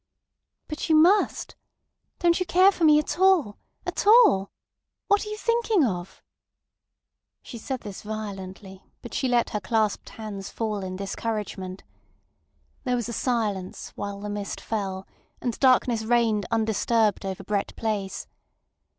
"But you must. Don't you care for me at all—at all? What are you thinking of?" She said this violently, but she let her clasped hands fall in discouragement. There was a silence, while the mist fell, and darkness reigned undisturbed over Brett Place.